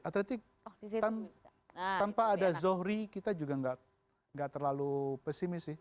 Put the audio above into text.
atletik tanpa ada zohri kita juga nggak terlalu pesimis sih